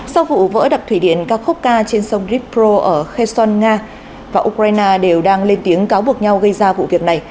sau vụ vỡ đập thủy điện kakoka trên sông ripro ở kherson nga và ukraine đều đang lên tiếng cáo buộc nhau gây ra vụ việc này